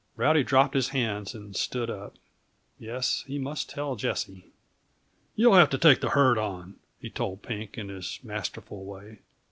Rowdy dropped his hands and stood up. Yes, he must tell Jessie. "You'll have to take the herd on," he told Pink in his masterful way.